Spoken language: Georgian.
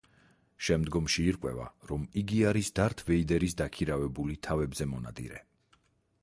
შემდგომში ირკვევა, რომ იგი არის დართ ვეიდერის დაქირავებული თავებზე მონადირე.